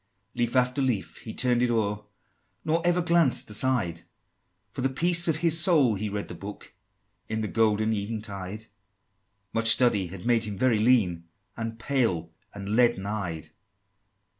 V. Leaf after leaf he turn'd it o'er, Nor ever glanced aside, For the peace of his soul he read that book In the golden eventide: Much study had made him very lean, And pale, and leaden eyed.